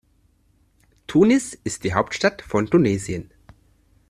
Tunis ist die Hauptstadt von Tunesien.